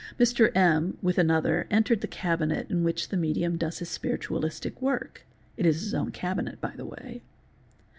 Mr. M., with another, entered the cabinet in which the medium does his spiritualistic work (it is his own cabinet, by the way).